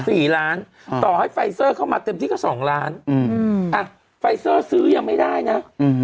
สี่ล้านต่อให้ไฟเซอร์เข้ามาเต็มที่ก็สองล้านอืมอ่ะไฟเซอร์ซื้อยังไม่ได้นะอืม